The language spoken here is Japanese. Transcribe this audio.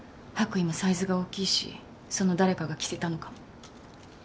白衣もサイズが大きいしその誰かが着せたのかも。